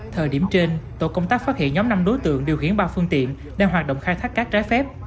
thời điểm trên tội công tác phát hiện nhóm năm đối tượng điều khiển ba phương tiện đang hoạt động khai thác cát trái phép